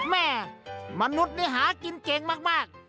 แม่มนุษย์นี่หากินเก่งมาก